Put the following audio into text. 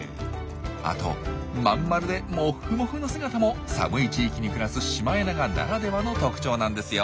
あとまん丸でモフモフの姿も寒い地域に暮らすシマエナガならではの特徴なんですよ。